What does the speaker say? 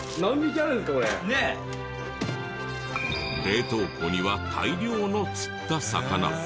冷凍庫には大量の釣った魚。